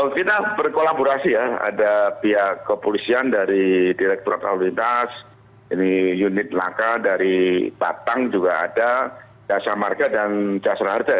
kita berkolaborasi ya ada pihak kepolisian dari direkturat rakyat rakyat unit laka dari batang juga ada dasar marka dan dasar harga